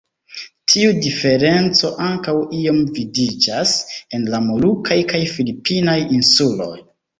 Tiu diferenco ankaŭ iom vidiĝas en la molukaj kaj filipinaj insuloj.